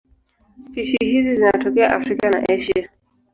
Spishi hizi zinatokea Afrika na Asia.